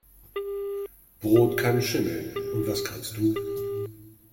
Brot kann schimmeln. Und was kannst du?